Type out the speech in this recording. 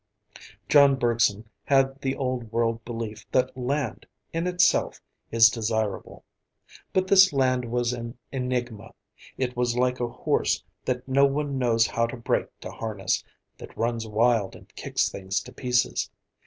John Bergson had the Old World belief that land, in itself, is desirable. But this land was an enigma. It was like a horse that no one knows how to break to harness, that runs wild and kicks things to pieces.